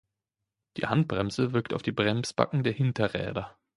Die Handbremse wirkt auf die Bremsbacken der Hinterräder.